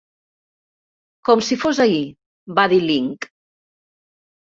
"Com si fos ahir", va dir Lynch.